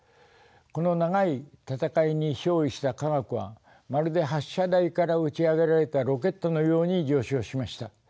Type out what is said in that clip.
この長い戦いに勝利した科学はまるで発車台から打ち上げられたロケットのように上昇しました。